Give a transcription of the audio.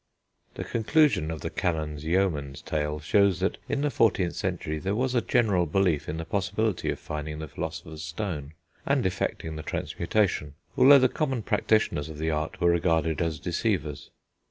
The conclusion of the Canon's Yeoman's Tale shows that, in the 14th century, there was a general belief in the possibility of finding the philosopher's stone, and effecting the transmutation, although the common practitioners of the art were regarded as deceivers.